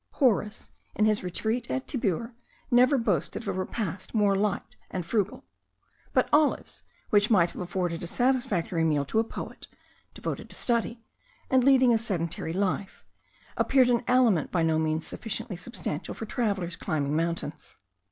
Horace, in his retreat at Tibur, never boasted of a repast more light and frugal; but olives, which might have afforded a satisfactory meal to a poet, devoted to study, and leading a sedentary life, appeared an aliment by no means sufficiently substantial for travellers climbing mountains.